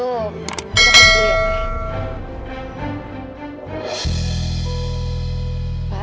kita akan berhenti